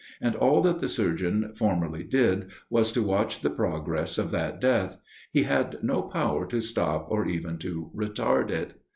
And all that the surgeon formerly did, was to watch the progress of that death: he had no power to stop or even to retard it.